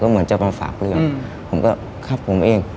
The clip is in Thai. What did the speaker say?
เหมือนจะมาฝากเรื่องผมก็ครับผมเอง